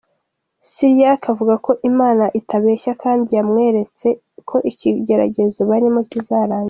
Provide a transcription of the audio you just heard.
Siriac avuga ko Imana itabeshya kandi yamweretse ko ikigeragezo barimo kizarangira .